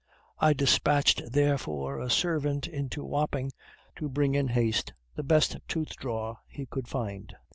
I despatched therefore a servant into Wapping to bring in haste the best tooth drawer he could find.